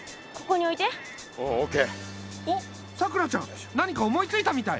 おっさくらちゃん何か思いついたみたい。